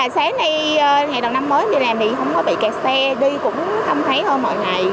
sáng nay ngày đầu năm mới đi làm thì không có bị kẹt xe đi cũng không thấy hơn mọi ngày